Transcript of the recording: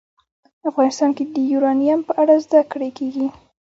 افغانستان کې د یورانیم په اړه زده کړه کېږي.